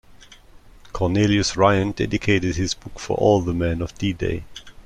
Cornelius Ryan dedicated his book for all the men of D-Day.